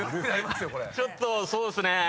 ちょっとそうっすね。